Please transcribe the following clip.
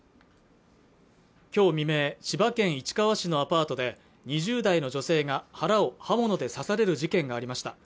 今日未明千葉県市川市のアパートで２０代の女性が腹を刃物で刺される事件がありました